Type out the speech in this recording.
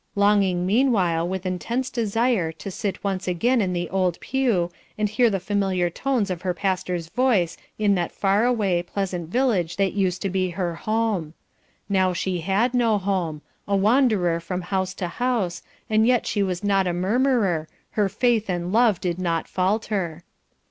Longing meanwhile with intense desire to sit once again in the old pew, and hear the familiar tones of her pastor's voice in that far away, pleasant village that used to be her home; now she had no home, a wanderer from house to house, and yet she was not a murmurer, her faith and love did not falter.